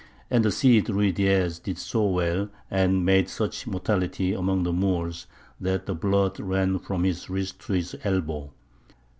And the Cid Ruydiez did so well, and made such mortality among the Moors, that the blood ran from his wrist to his elbow!